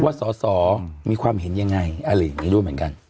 สอสอมีความเห็นยังไงอะไรอย่างนี้ไม่รู้เหมือนกัน